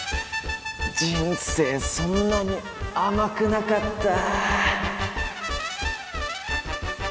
人生そんなに甘くなかった。